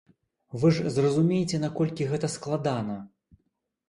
Вы ж зразумейце наколькі гэта складана.